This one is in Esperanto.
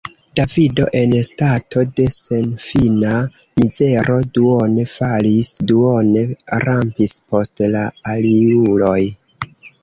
Davido en stato de senfina mizero duone falis, duone rampis post la aliuloj.